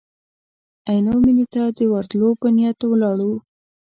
عینو مېنې ته د ورتلو په نیت ولاړو.